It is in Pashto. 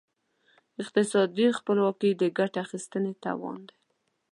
اقتصادي خپلواکي د ګټې اخیستنې توان دی.